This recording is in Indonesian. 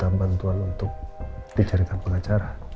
minta bantuan untuk diceritakan pengacara